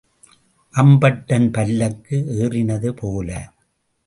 அம்பட்டன் பல்லக்கு ஏறினது போல.